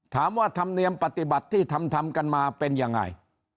ธรรมเนียมปฏิบัติที่ทำทำกันมาเป็นยังไง